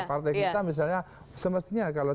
partai kita misalnya semestinya kalau